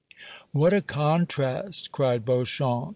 "What a contrast!" cried Beauchamp.